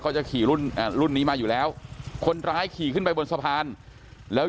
จะขี่รุ่นรุ่นนี้มาอยู่แล้วคนร้ายขี่ขึ้นไปบนสะพานแล้ว